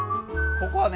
ここはね